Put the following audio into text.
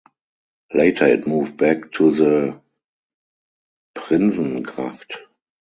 Later it moved back to the Prinsengracht.